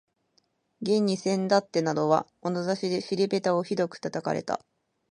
現にせんだってなどは物差しで尻ぺたをひどく叩かれた